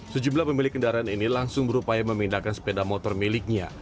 sejumlah pemilik kendaraan ini langsung berupaya memindahkan sepeda motor miliknya